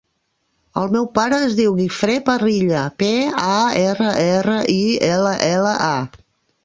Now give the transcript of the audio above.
El meu pare es diu Guifré Parrilla: pe, a, erra, erra, i, ela, ela, a.